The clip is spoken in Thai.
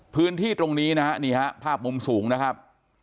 พื้นที่ตรงนี้นะครับภาพมุมสูงนะครับ